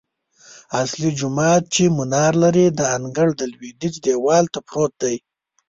اصلي جومات چې منار لري، د انګړ لویدیځ دیوال ته پروت دی.